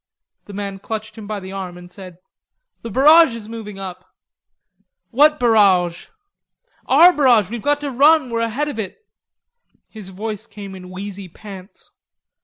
The man clutched him by the arm and said: "The barrage is moving up." "What barrage?" "Our barrage; we've got to run, we're ahead of it." His voice came in wheezy pants.